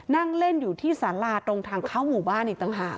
นั่งเล่นอยู่ที่สาราตรงทางเข้าหมู่บ้านอีกต่างหาก